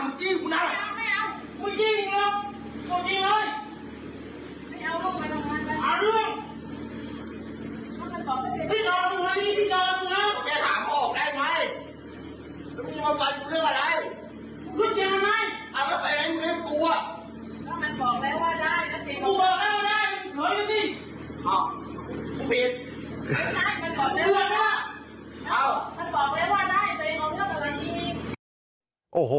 เนี่ยครับ